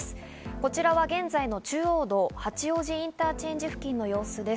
こちらは現在の中央道八王子インターチェンジ付近の様子です。